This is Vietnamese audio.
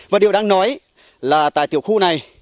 và điều đang nói là tại tiểu khu này